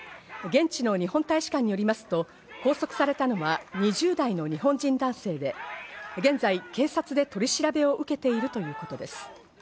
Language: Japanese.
現地の日本大使館によりますと拘束されたのは、２０代の日本人男性で、現在警察で取り調べを受けているということです。